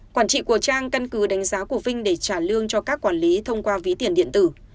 quản trị của trang căn cứ đánh giá của vinh để trả lương cho các quản lý thông qua ví tiền điện tử